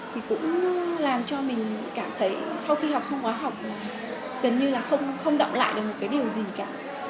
thì cũng làm cho mình cảm thấy sau khi học xong quá học là gần như không động lại được một điều gì cả